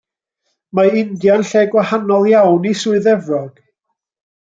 Mae India'n lle gwahanol iawn i Swydd Efrog.